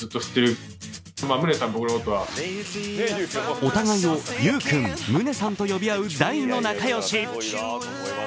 お互いを有君、宗さんと呼び合う大の仲良し。